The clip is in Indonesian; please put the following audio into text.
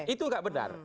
itu enggak benar